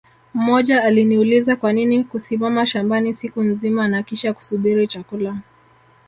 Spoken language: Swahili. Mmoja aliniuliza Kwanini kusimama shambani siku nzima na kisha kusubiri chakula